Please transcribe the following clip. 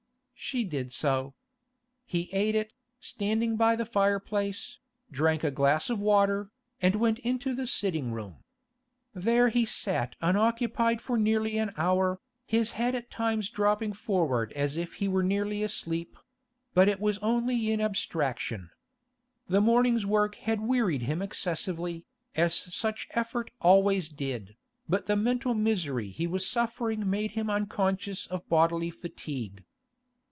She did so. He ate it, standing by the fireplace, drank a glass of water, and went into the sitting room. There he sat unoccupied for nearly an hour, his head at times dropping forward as if he were nearly asleep; but it was only in abstraction. The morning's work had wearied him excessively, as such effort always did, but the mental misery he was suffering made him unconscious of bodily fatigue.